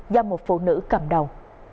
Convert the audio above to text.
do một phụ nữ cầm đầu